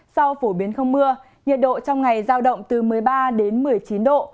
do phổ biến không mưa nhiệt độ trong ngày giao động từ một mươi ba đến một mươi chín độ